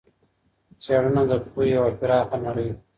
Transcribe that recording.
څېړنه د پوهې یوه پراخه نړۍ ده.